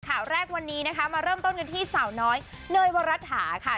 ข่าวแรกวันนี้นะคะมาเริ่มต้นกันที่สาวน้อยเนยวรัตถาค่ะ